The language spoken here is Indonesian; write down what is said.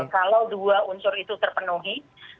kalau dua unsur itu terpenuhi